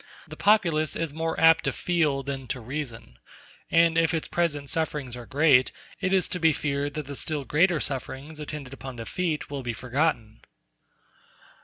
The populace is more apt to feel than to reason; and if its present sufferings are great, it is to be feared that the still greater sufferings attendant upon defeat will be forgotten.